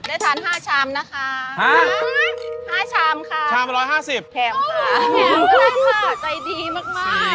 อ๋อเป็นความเป็นมั้ยค่ะใจดีมาก